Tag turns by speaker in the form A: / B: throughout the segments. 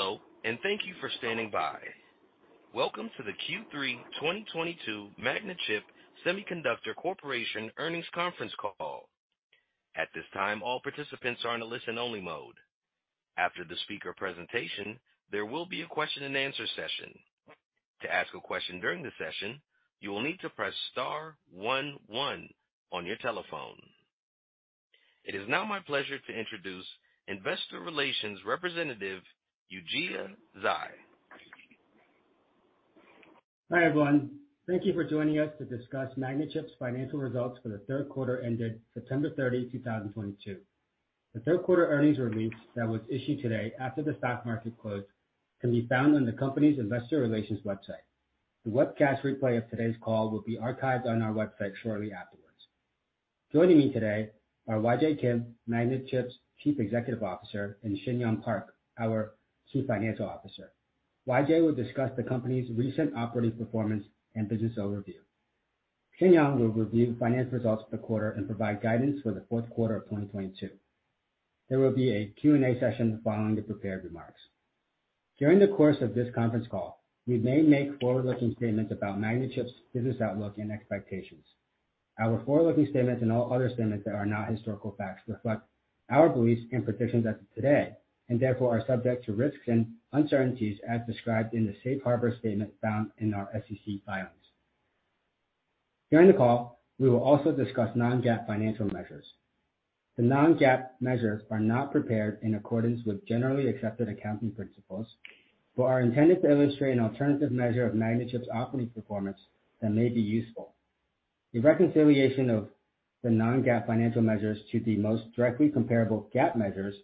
A: Hello, and thank you for standing by. Welcome to the Q3 2022 Magnachip Semiconductor Corporation earnings conference call. At this time, all participants are in a listen-only mode. After the speaker presentation, there will be a question-and-answer session. To ask a question during the session, you will need to press star one one on your telephone. It is now my pleasure to introduce Investor Relations Representative, Yujia Zhai.
B: Hi, everyone. Thank you for joining us to discuss Magnachip's financial results for the Q3 ended September 30, 2022. The Q3 earnings release that was issued today after the stock market close can be found on the company's investor relations website. The webcast replay of today's call will be archived on our website shortly afterwards. Joining me today are YJ Kim, Magnachip's Chief Executive Officer, and Shinyoung Park, our Chief Financial Officer. YJ will discuss the company's recent operating performance and business overview. Shinyoung will review the financial results for the quarter and provide guidance for the Q4 of 2022. There will be a Q&A session following the prepared remarks. During the course of this conference call, we may make forward-looking statements about Magnachip's business outlook and expectations. Our forward-looking statements and all other statements that are not historical facts reflect our beliefs and predictions as of today, and therefore are subject to risks and uncertainties as described in the safe harbor statement found in our SEC filings. During the call, we will also discuss non-GAAP financial measures. The non-GAAP measures are not prepared in accordance with generally accepted accounting principles but are intended to illustrate an alternative measure of Magnachip's operating performance that may be useful. The reconciliation of the non-GAAP financial measures to the most directly comparable GAAP measures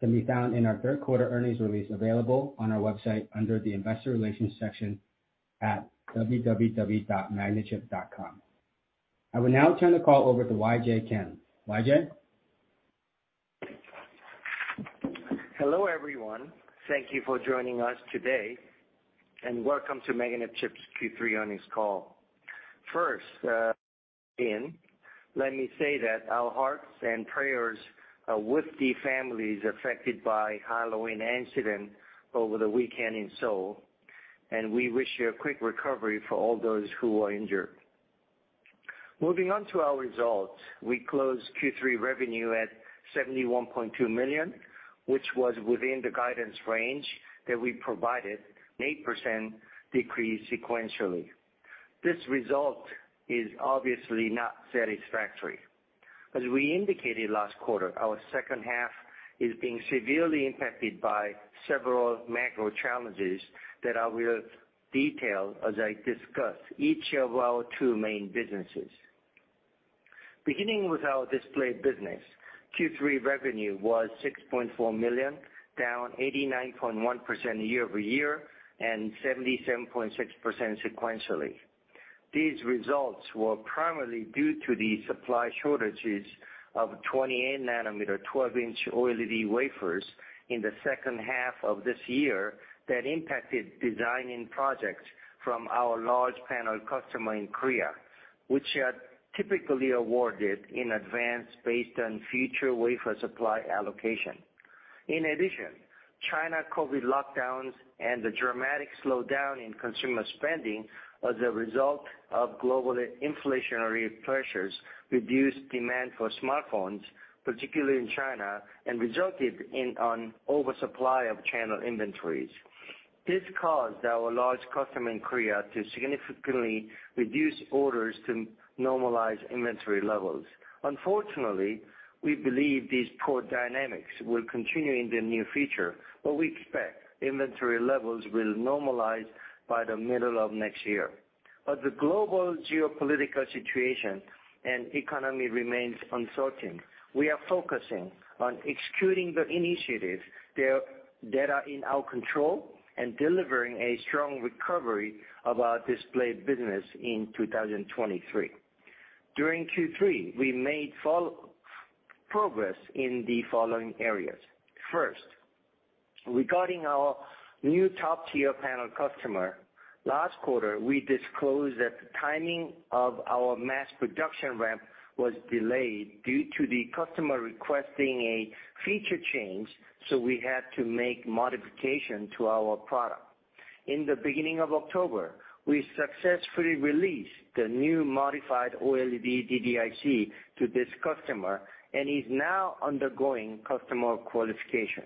B: can be found in our Q3 earnings release available on our website under the Investor Relations section at www.magnachip.com. I will now turn the call over to YJ Kim. YJ?
C: Hello, everyone. Thank you for joining us today, and welcome to Magnachip's Q3 earnings call. First, let me say that our hearts and prayers are with the families affected by Halloween incident over the weekend in Seoul, and we wish a quick recovery for all those who are injured. Moving on to our results. We closed Q3 revenue at 71.2 million, which was within the guidance range that we provided, an 8% decrease sequentially. This result is obviously not satisfactory. As we indicated last quarter, our H2 is being severely impacted by several macro challenges that I will detail as I discuss each of our two main businesses. Beginning with our display business, Q3 revenue was 6.4 million, down 89.1% year-over-year and 77.6% sequentially. These results were primarily due to the supply shortages of 28 nm 12 in OLED wafers in the H2 of this year that impacted design and projects from our large panel customer in Korea, which are typically awarded in advance based on future wafer supply allocation. In addition, Chinese COVID lockdowns and the dramatic slowdown in consumer spending as a result of global inflationary pressures reduced demand for smartphones, particularly in China, and resulted in an oversupply of channel inventories. This caused our large customer in Korea to significantly reduce orders to normalize inventory levels. Unfortunately, we believe these poor dynamics will continue in the near future, but we expect inventory levels will normalize by the middle of next year. As the global geopolitical situation and economy remains uncertain, we are focusing on executing the initiatives that are in our control and delivering a strong recovery of our display business in 2023. During Q3, we made progress in the following areas. First, regarding our new top tier panel customer, last quarter we disclosed that the timing of our mass production ramp was delayed due to the customer requesting a feature change, so we had to make modification to our product. In the beginning of October, we successfully released the new modified OLED DDIC to this customer and is now undergoing customer qualification.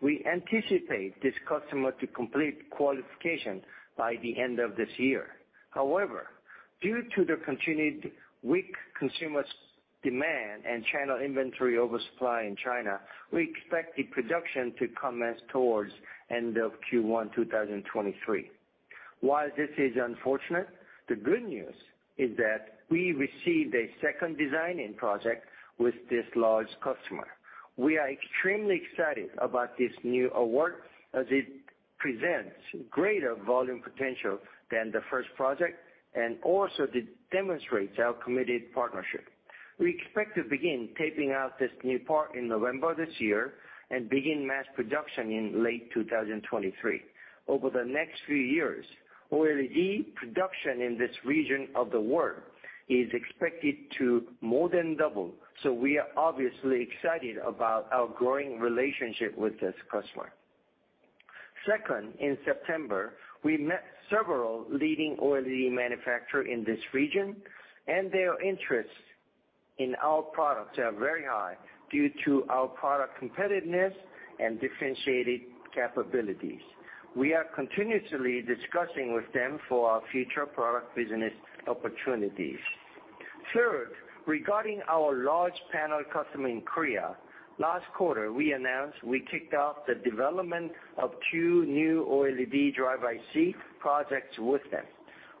C: We anticipate this customer to complete qualification by the end of this year. However, due to the continued weak consumer demand and channel inventory oversupply in China, we expect the production to commence towards end of Q1 2023. While this is unfortunate, the good news is that we received a second design-in project with this large customer. We are extremely excited about this new award as it presents greater volume potential than the first project and also demonstrates our committed partnership. We expect to begin taping out this new part in November this year and begin mass production in late 2023. Over the next few years, OLED production in this region of the world is expected to more than double. We are obviously excited about our growing relationship with this customer. Second, in September, we met several leading OLED manufacturers in this region, and their interests in our products are very high due to our product competitiveness and differentiated capabilities. We are continuously discussing with them for our future product business opportunities. Third, regarding our large panel customer in Korea, last quarter, we announced we kicked off the development of two new OLED driver IC projects with them.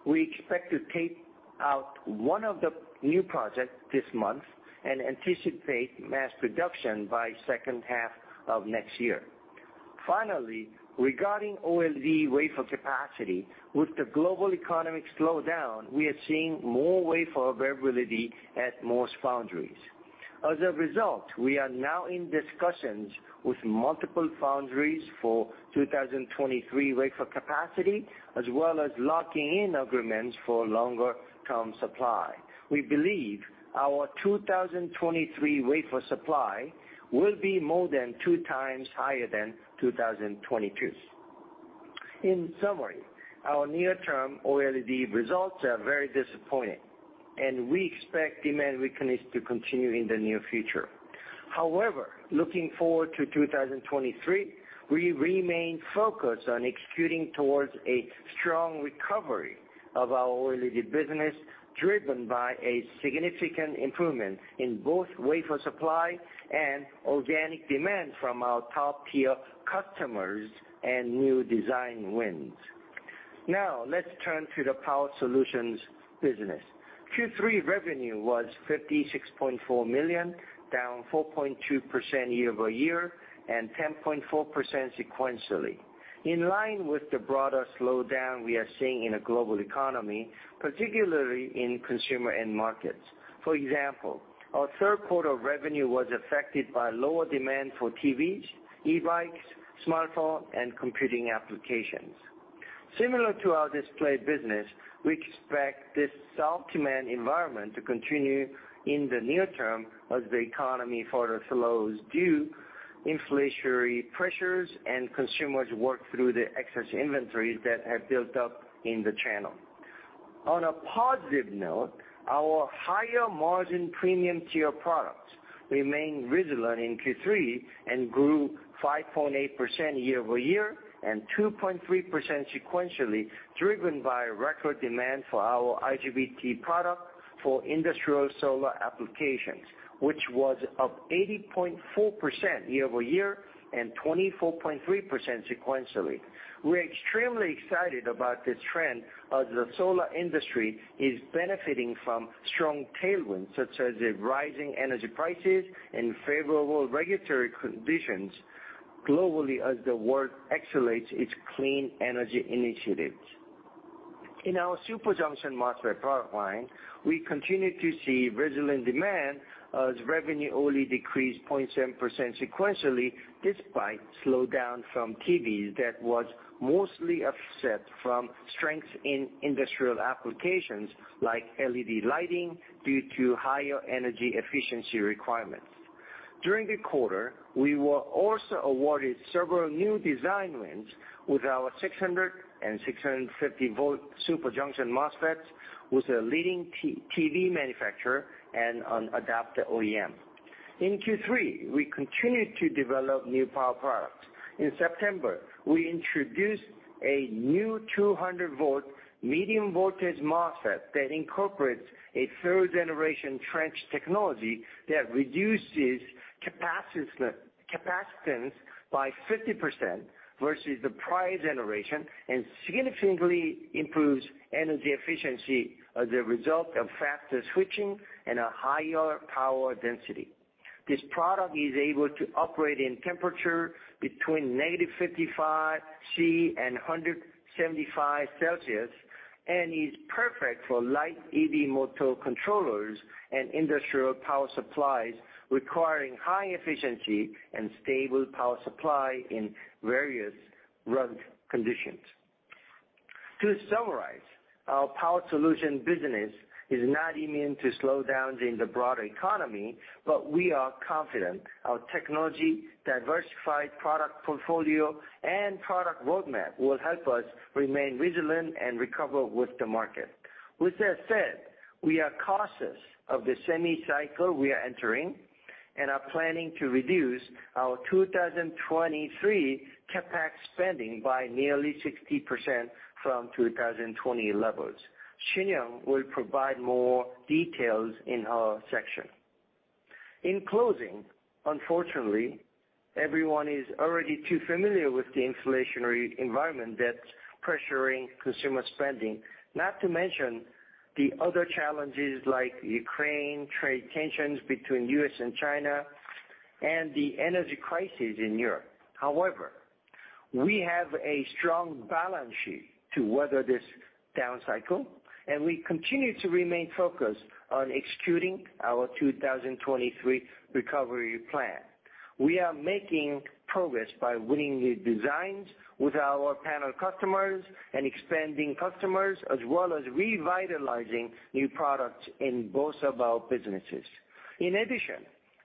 C: We expect to take out one of the new projects this month and anticipate mass production by H2 of next year. Finally, regarding OLED wafer capacity, with the global economic slowdown, we are seeing more wafer availability at most foundries. As a result, we are now in discussions with multiple foundries for 2023 wafer capacity, as well as locking in agreements for longer-term supply. We believe our 2023 wafer supply will be more than 2x higher than 2022. In summary, our near-term OLED results are very disappointing, and we expect demand weakness to continue in the near future. However, looking forward to 2023, we remain focused on executing towards a strong recovery of our OLED business, driven by a significant improvement in both wafer supply and organic demand from our top-tier customers and new design wins. Now, let's turn to the power solutions business. Q3 revenue was 56.4 million, down 4.2% year-over-year and 10.4% sequentially, in line with the broader slowdown we are seeing in the global economy, particularly in consumer end markets. For example, our Q3 revenue was affected by lower demand for TVs, e-bikes, smartphone, and computing applications. Similar to our display business, we expect this soft demand environment to continue in the near term as the economy further slows due to inflationary pressures and consumers work through the excess inventories that have built up in the channel. On a positive note, our higher margin premium tier products remained resilient in Q3 and grew 5.8% year-over-year and 2.3% sequentially, driven by record demand for our IGBT product for industrial solar applications, which was up 80.4% year-over-year and 24.3% sequentially. We are extremely excited about this trend as the solar industry is benefiting from strong tailwinds, such as the rising energy prices and favorable regulatory conditions globally as the world accelerates its clean energy initiatives. In our Super Junction MOSFET product line, we continue to see resilient demand as revenue only decreased 0.7% sequentially, despite slowdown from TVs that was mostly offset from strengths in industrial applications like LED lighting due to higher energy efficiency requirements. During the quarter, we were also awarded several new design wins with our 600 and 650-volt Super Junction MOSFET with a leading TV manufacturer and an adapter OEM. In Q3, we continued to develop new power products. In September, we introduced a new 200-volt medium voltage MOSFET that incorporates a third-generation trench technology that reduces capacitance by 50% versus the prior generation and significantly improves energy efficiency as a result of faster switching and a higher power density. This product is able to operate in temperature between negative 55 degrees Celsius and 175 degrees Celsius and is perfect for light EV motor controllers and industrial power supplies requiring high efficiency and stable power supply in various rough conditions. To summarize, our power solution business is not immune to slowdowns in the broader economy, but we are confident our technology, diversified product portfolio, and product roadmap will help us remain resilient and recover with the market. With that said, we are cautious of the semi cycle we are entering and are planning to reduce our 2023 CapEx spending by nearly 60% from 2020 levels. Shinyoung will provide more details in our section. In closing, unfortunately, everyone is already too familiar with the inflationary environment that's pressuring consumer spending. Not to mention the other challenges like Ukraine, trade tensions between U.S. and China, and the energy crisis in Europe. However, we have a strong balance sheet to weather this down cycle, and we continue to remain focused on executing our 2023 recovery plan. We are making progress by winning new designs with our panel customers and expanding customers, as well as revitalizing new products in both of our businesses. In addition,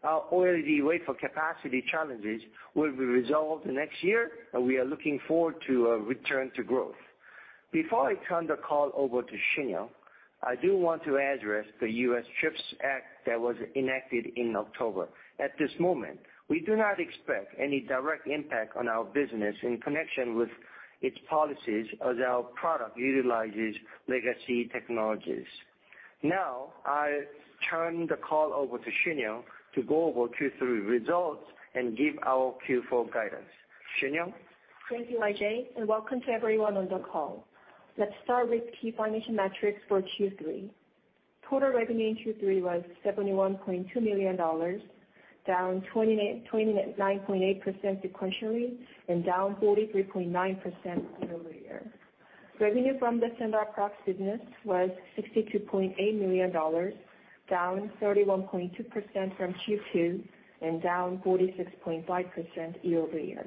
C: our OLED wafer capacity challenges will be resolved next year, and we are looking forward to a return to growth. Before I turn the call over to Shinyoung, I do want to address the CHIPS and Science Act that was enacted in October. At this moment, we do not expect any direct impact on our business in connection with its policies as our product utilizes legacy technologies. Now, I turn the call over to Shinyoung to go over Q3 results and give our Q4 guidance. Shinyoung?
D: Thank you, YJ, and welcome to everyone on the call. Let's start with key financial metrics for Q3. Total revenue in Q3 was 71.2 million dollars, down 29.8% sequentially and down 43.9% year-over-year. Revenue from the Standard Products business was 62.8 million dollars, down 31.2% from Q2 and down 46.5% year-over-year.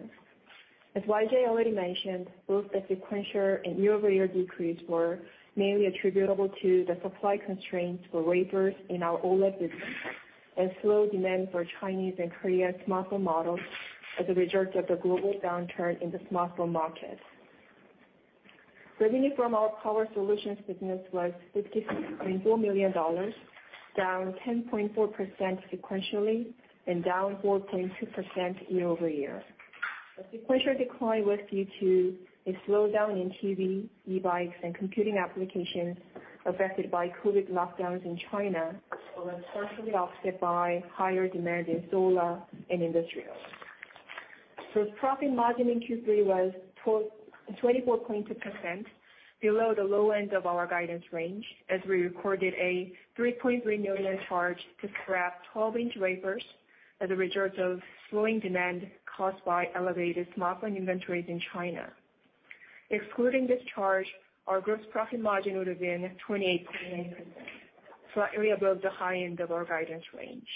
D: As YJ already mentioned, both the sequential and year-over-year decreases were mainly attributable to the supply constraints for wafers in our OLED business and slow demand for Chinese and Korean smartphone models as a result of the global downturn in the smartphone market. Revenue from our power solutions business was 56.4 million dollars, down 10.4% sequentially and down 4.2% year-over-year. The sequential decline was due to a slowdown in TV, e-bikes, and computing applications affected by COVID lockdowns in China, although partially offset by higher demand in solar and industrial. Gross profit margin in Q3 was 24.2%, below the low end of our guidance range, as we recorded a 3.3 million charge to scrap 12 in wafers as a result of slowing demand caused by elevated smartphone inventories in China. Excluding this charge, our gross profit margin would have been 28%, slightly above the high end of our guidance range.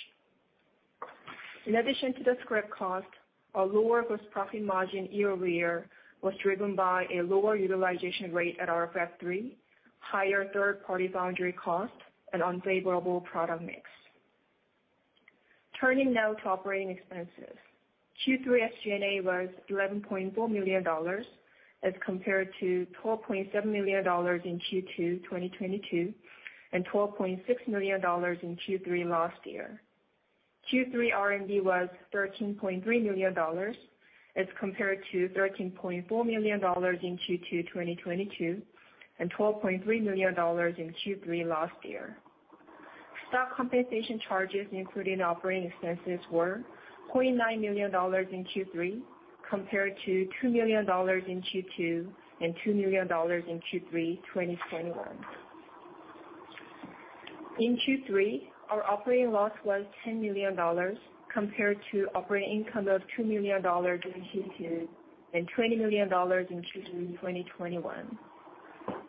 D: In addition to the scrap cost, our lower gross profit margin year-over-year was driven by a lower utilization rate at Fab 3, higher third-party foundry costs, and unfavorable product mix. Turning now to operating expenses. Q3 SG&A was USD 11.4 million as compared to USD 12.7 million in Q2, 2022, and USD 12.6 million in Q3 last year. Q3 R&D was USD 13.3 million as compared to USD 13.4 million in Q2, 2022, and USD 12.3 million in Q3 last year. Stock compensation charges included in operating expenses were 0.9 million dollars in Q3, compared to 2 million dollars in Q2 and 2 million dollars in Q3, 2021. In Q3, our operating loss was 10 million dollars compared to operating income of 2 million dollars in Q2 and 20 million dollars in Q3, 2021.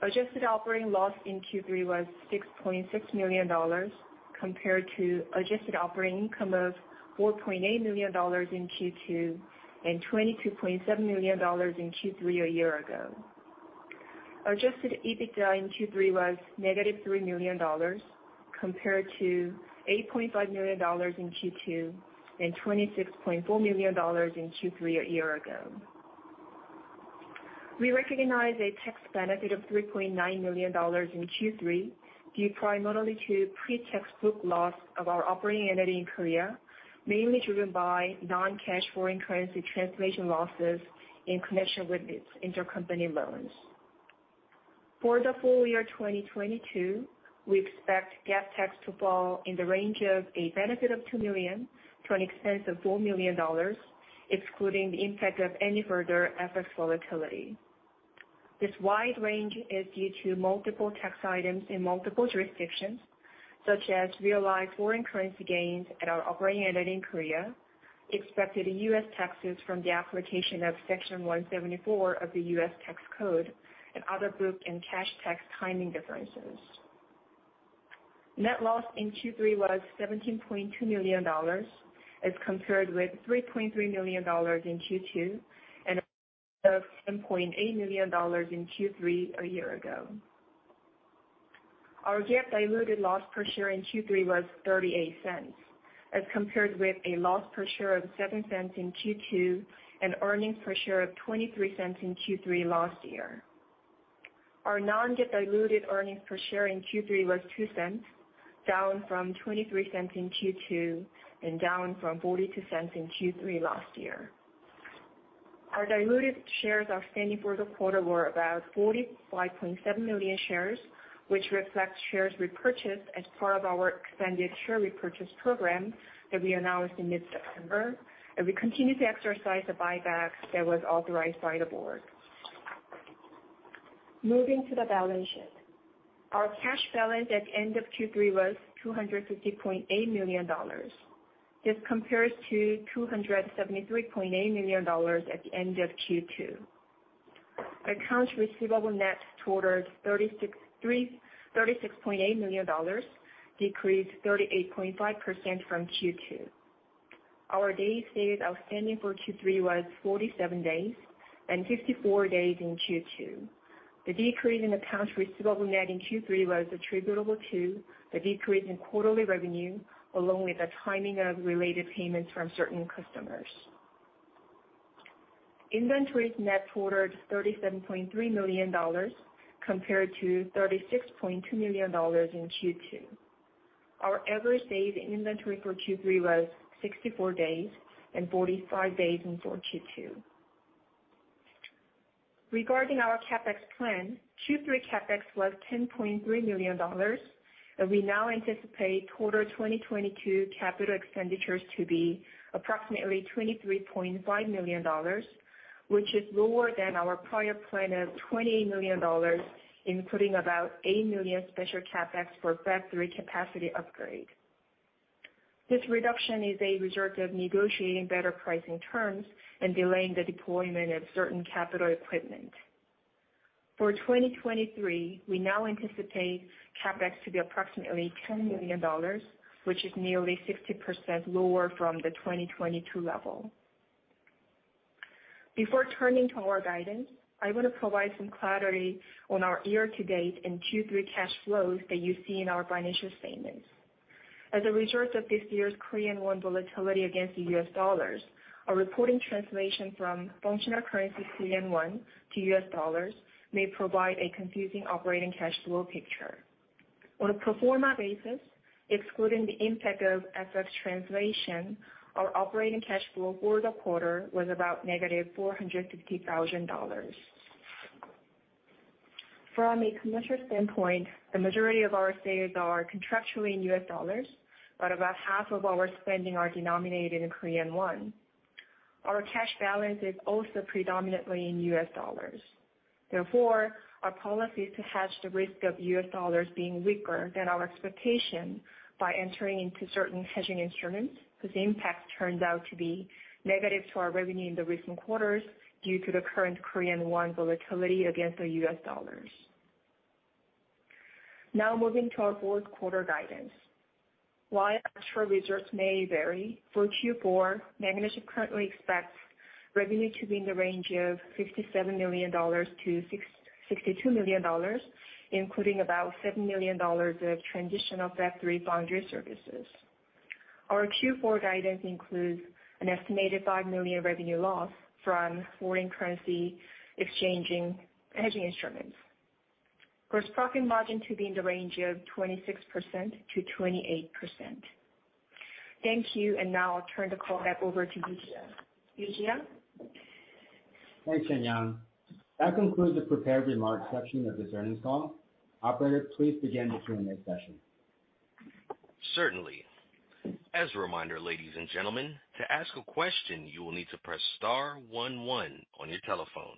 D: Adjusted operating loss in Q3 was 6.6 million dollars compared to adjusted operating income of 4.8 million dollars in Q2 and 22.7 million dollars in Q3 a year ago. Adjusted EBITDA in Q3 was -3 million dollars compared to 8.5 million dollars in Q2 and 26.4 million dollars in Q3 a year ago. We recognize a tax benefit of 3.9 million dollars in Q3, due primarily to pre-tax book loss of our operating entity in Korea, mainly driven by non-cash foreign currency translation losses in connection with its intercompany loans. For the full year 2022, we expect GAAP tax to fall in the range of a benefit of 2 million to an expense of 4 million dollars, excluding the impact of any further FX volatility. This wide range is due to multiple tax items in multiple jurisdictions, such as realized foreign currency gains at our operating entity in Korea, expected U.S. taxes from the application of Section 174 of the U.S. Tax Code and other book and cash tax timing differences. Net loss in Q3 was 17.2 million dollars, as compared with 3.3 million dollars in Q2 and a 7.8 million dollars in Q3 a year ago. Our GAAP diluted loss per share in Q3 was 0.38, as compared with a loss per share of 0.07 in Q2 and earnings per share of 0.23 in Q3 last year. Our non-GAAP diluted earnings per share in Q3 was 0.02, down from 0.23 in Q2 and down from 0.42 in Q3 last year. Our diluted shares outstanding for the quarter were about 45.7 million shares, which reflects shares repurchased as part of our extended share repurchase program that we announced in mid-September, and we continue to exercise the buybacks that was authorized by the board. Moving to the balance sheet. Our cash balance at the end of Q3 was 250.8 million dollars. This compares to 273.8 million dollars at the end of Q2. Accounts receivable net totaled 36.8 million dollars, decreased 38.5% from Q2. Our days sales outstanding for Q3 was 47 days, and 54 days in Q2. The decrease in accounts receivable net in Q3 was attributable to the decrease in quarterly revenue, along with the timing of related payments from certain customers. Inventories net totaled 37.3 million dollars compared to 36.2 million dollars in Q2. Our average days inventory for Q3 was 64 days and 45 days in Q2. Regarding our CapEx plan, Q3 CapEx was 10.3 million dollars, and we now anticipate total 2022 capital expenditures to be approximately 23.5 million dollars, which is lower than our prior plan of 20 million dollars, including about 8 million special CapEx for factory capacity upgrade. This reduction is a result of negotiating better pricing terms and delaying the deployment of certain capital equipment. For 2023, we now anticipate CapEx to be approximately 10 million dollars, which is nearly 60% lower from the 2022 level. Before turning to our guidance, I want to provide some clarity on our year-to-date and Q3 cash flows that you see in our financial statements. As a result of this year's Korean won volatility against the U.S. dollars, our reporting translation from functional currency Korean won to U.S. dollars may provide a confusing operating cash flow picture. On a pro forma basis, excluding the impact of FX translation, our operating cash flow for the quarter was about -450,000. From a commercial standpoint, the majority of our sales are contractually in U.S. dollars, but about half of our spending are denominated in Korean won. Our cash balance is also predominantly in U.S. dollars. Therefore, our policy is to hedge the risk of U.S. dollars being weaker than our expectation by entering into certain hedging instruments, whose impact turns out to be negative to our revenue in the recent quarters due to the current Korean won volatility against the U.S. dollars. Now moving to our Q4 guidance. While actual results may vary, for Q4, Magnachip currently expects revenue to be in the range of 57 million-62 million dollars, including about 7 million dollars of transition of factory foundry services. Our Q4 guidance includes an estimated 5 million revenue loss from foreign currency exchange hedging instruments. Gross profit margin to be in the range of 26%-28%. Thank you. Now I'll turn the call back over to Yujia. Yujia?
B: Thanks, Shinyoung. That concludes the prepared remarks section of this earnings call. Operator, please begin the Q&A session.
A: Certainly. As a reminder, ladies and gentlemen, to ask a question, you will need to press star one one on your telephone.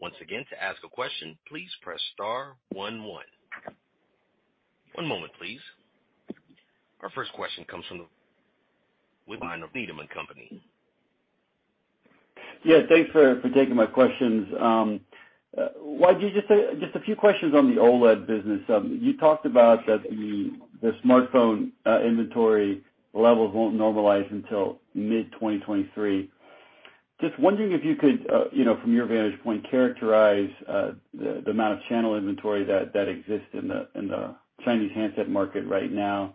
A: Once again, to ask a question, please press star one one. One moment, please. Our first question comes from with Needham & Company.
E: Yeah, thanks for taking my questions. YJ, just a few questions on the OLED business. You talked about the smartphone inventory levels won't normalize until mid-2023. Just wondering if you could, you know, from your vantage point, characterize the amount of channel inventory that exists in the Chinese handset market right now.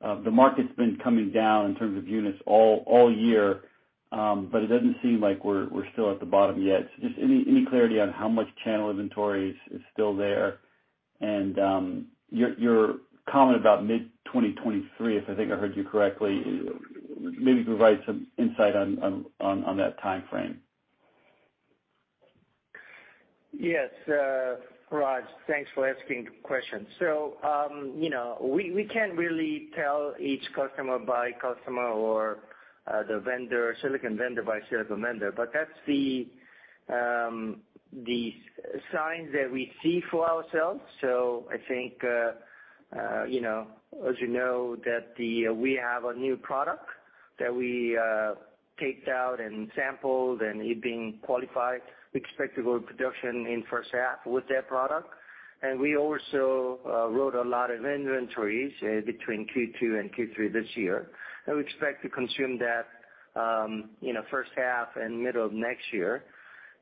E: The market's been coming down in terms of units all year, but it doesn't seem like we're still at the bottom yet. Just any clarity on how much channel inventory is still there? Your comment about mid-2023, if I think I heard you correctly, maybe provide some insight on that timeframe.
C: Yes, Raj, thanks for asking the question. You know, we can't really tell each customer by customer or the vendor, silicon vendor by silicon vendor, but that's the signs that we see for ourselves. I think you know, as you know that we have a new product that we taped out and sampled, and it being qualified, we expect to go to production in first half with that product. We also built a lot of inventories between Q2 and Q3 this year. We expect to consume that in the first half and middle of next year.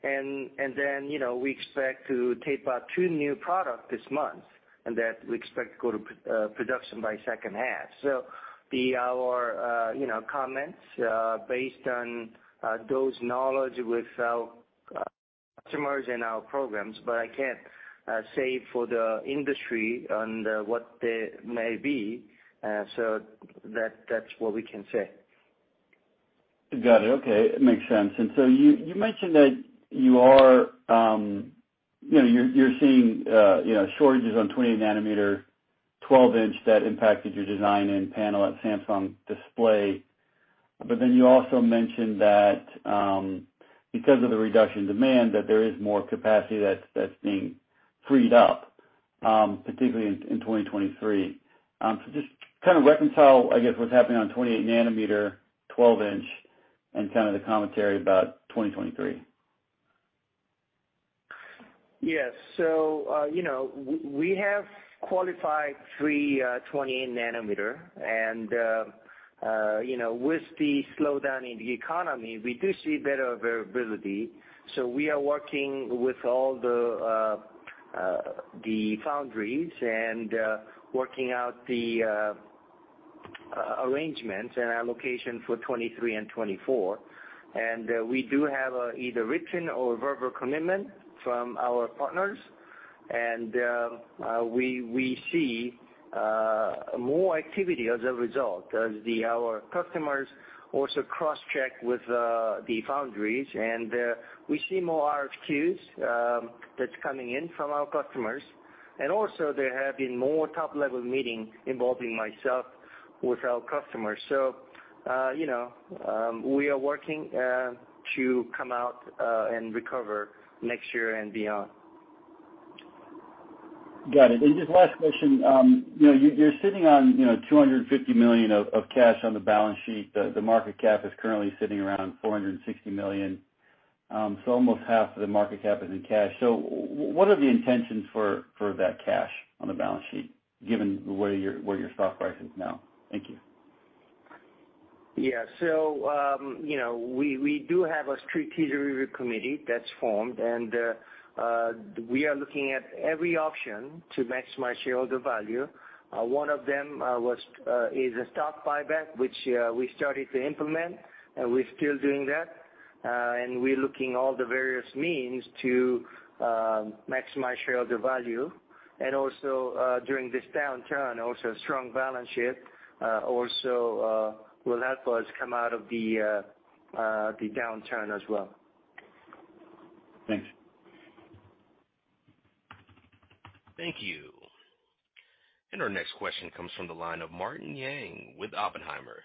C: Then, you know, we expect to tape out two new product this month, and that we expect to go to production by H2. Our, you know, comments based on that knowledge with our customers and our programs, but I can't say for the industry and what they may be. That's what we can say.
E: Got it. Okay. It makes sense. You mentioned that you are, you know, you're seeing, you know, shortages on 20 nm 12 in that impacted your design and panel at Samsung Display. You also mentioned that, because of the reduction in demand, that there is more capacity that's being freed up. Particularly in 2023. Just kind of reconcile, I guess, what's happening on 28 nm, 12 in and kind of the commentary about 2023.
C: Yes. You know, we have qualified three 20 nm and, you know, with the slowdown in the economy, we do see better availability. We are working with all the foundries and working out the arrangement and allocation for 2023 and 2024. We do have either written or verbal commitment from our partners. We see more activity as a result as our customers also crosscheck with the foundries. We see more RFQs that's coming in from our customers. Also there have been more top-level meeting involving myself with our customers. You know, we are working to come out and recover next year and beyond.
E: Got it. Just last question, you know, you're sitting on, you know, 250 million of cash on the balance sheet. The market cap is currently sitting around 460 million, so almost half of the market cap is in cash. What are the intentions for that cash on the balance sheet given where your stock price is now? Thank you.
C: Yeah. You know, we do have a strategy review committee that's formed, and we are looking at every option to maximize shareholder value. One of them is a stock buyback, which we started to implement, and we're still doing that. We're looking at all the various means to maximize shareholder value. Also, during this downturn, strong balance sheet will help us come out of the downturn as well.
E: Thanks.
A: Thank you. Our next question comes from the line of Martin Yang with Oppenheimer.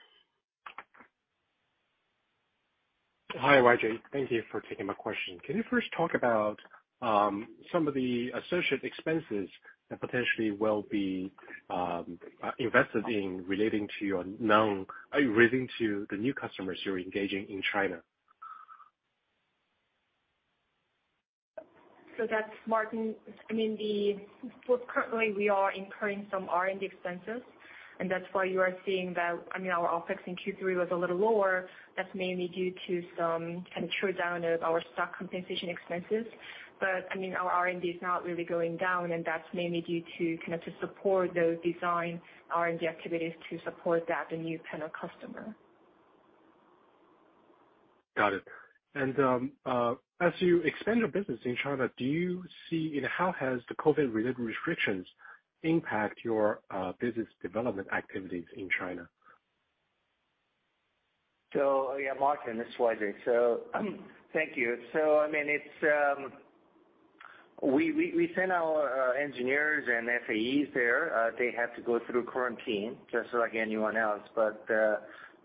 F: Hi, YJ. Thank you for taking my question. Can you first talk about some of the associated expenses that potentially will be invested in relating to the new customers you're engaging in China?
D: That's Martin. I mean, well, currently we are incurring some R&D expenses, and that's why you are seeing that, I mean, our OpEx in Q3 was a little lower. That's mainly due to some kind of write-down of our stock compensation expenses. I mean, our R&D is not really going down, and that's mainly due to kind of to support those design R&D activities to support the new panel customer.
F: Got it. As you expand your business in China, do you see, you know, how has the COVID-related restrictions impact your business development activities in China?
C: Yeah, Martin, this is YJ. Thank you. I mean, we send our engineers and FAEs there. They have to go through quarantine just like anyone else.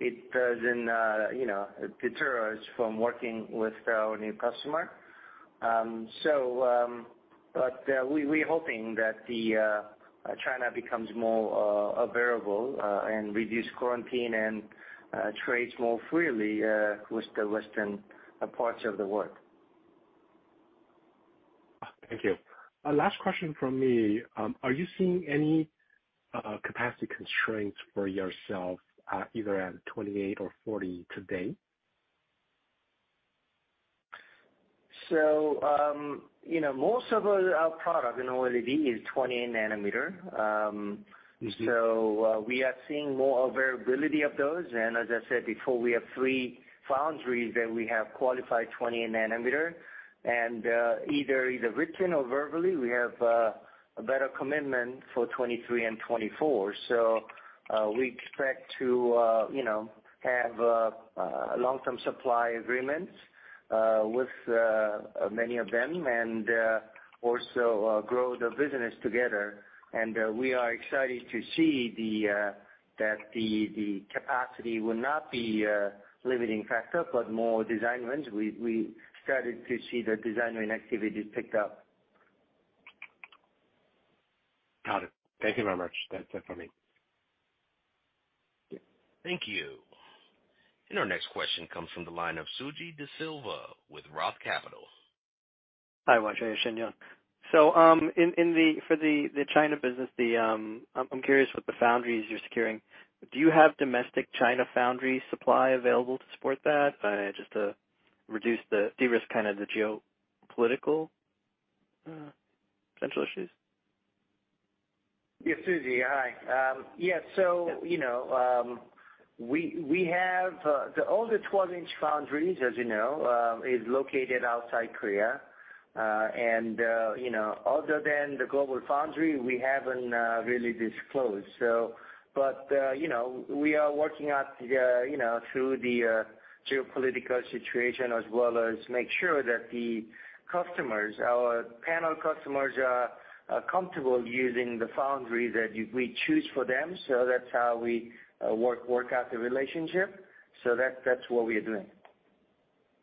C: It doesn't, you know, deter us from working with our new customer. We're hoping that China becomes more available and reduce quarantine and trades more freely with the Western parts of the world.
F: Thank you. Last question from me. Are you seeing any capacity constraints for yourself, either at 28 nm or 40 nm today?
C: You know, most of our product in OLED is 20 nm. We are seeing more availability of those. As I said before, we have three foundries that we have qualified 20 nm. Either written or verbally, we have a better commitment for 2023 and 2024. We expect to you know have long-term supply agreements with many of them and also grow the business together. We are excited to see that the capacity will not be a limiting factor, but more design wins. We started to see the design win activities picked up.
F: Got it. Thank you very much. That's it for me.
A: Thank you. Our next question comes from the line of Suji Desilva with Roth Capital.
G: Hi, YJ and Shinyoung. For the China business, I'm curious what the foundries you're securing. Do you have domestic China foundry supply available to support that, just to reduce de-risk kind of the geopolitical potential issues?
C: Yeah, Suji, hi. You know, we have the older 12 in foundries, as you know, is located outside Korea. You know, other than the GlobalFoundries, we haven't really disclosed. You know, we are working out through the geopolitical situation as well as make sure that the customers, our panel customers are comfortable using the foundry that we choose for them. That's how we work out the relationship. That's what we are doing.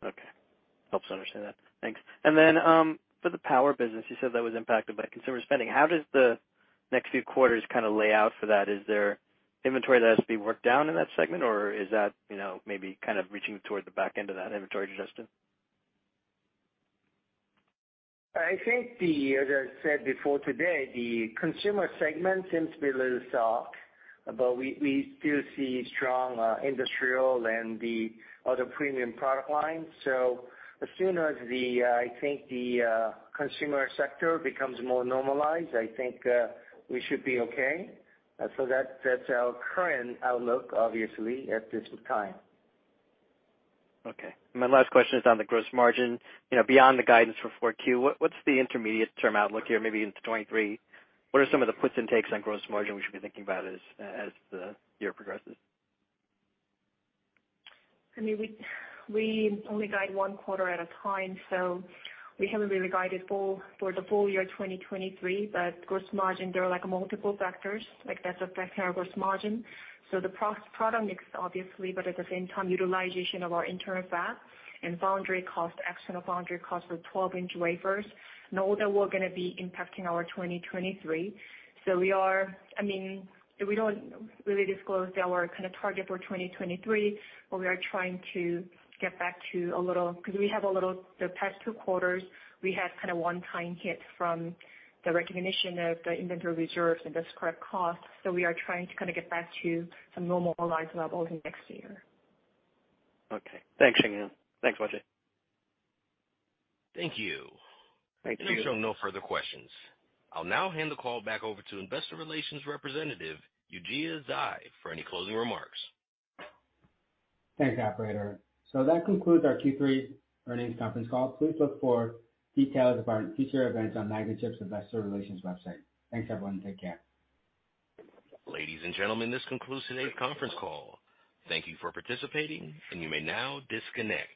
G: Okay. That helps me understand that. Thanks. For the power business, you said that was impacted by consumer spending. How does the next few quarters kind of lay out for that? Is there inventory that has to be worked down in that segment, or is that, you know, maybe kind of reaching toward the back end of that inventory adjustment?
C: As I said before today, the consumer segment seems to be a little soft, but we still see strong industrial and the other premium product lines. As soon as the consumer sector becomes more normalized, I think we should be okay. That's our current outlook, obviously, at this time.
G: Okay. My last question is on the gross margin. You know, beyond the guidance for Q4, what's the intermediate term outlook here, maybe into 2023? What are some of the puts and takes on gross margin we should be thinking about as the year progresses?
D: I mean, we only guide one quarter at a time, so we haven't really guided for the full year 2023. Gross margin, there are like multiple factors like that's affecting our gross margin. The product mix, obviously, but at the same time utilization of our internal fab and foundry cost, external foundry cost for 12 in wafers note that we're gonna be impacting our 2023. We don't really disclose our kind of target for 2023, but we are trying to get back to a little. 'Cause the past two quarters, we had kinda one-time hit from the recognition of the inventory reserves and the scrap costs. We are trying to kinda get back to some normalized levels next year.
G: Okay. Thanks, Shinyoung. Thanks, YJ.
A: Thank you.
C: Thank you.
A: I'm showing no further questions. I'll now hand the call back over to investor relations representative, Yujia Zhai, for any closing remarks.
B: Thanks, operator. That concludes our Q3 earnings conference call. Please look for details of our future events on Magnachip's Investor Relations website. Thanks, everyone. Take care.
A: Ladies and gentlemen, this concludes today's conference call. Thank you for participating, and you may now disconnect.